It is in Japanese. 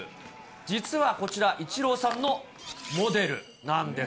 実はこちら、イチローさんのモデルなんです。